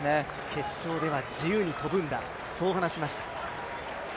決勝では自由に跳ぶんだそう話しました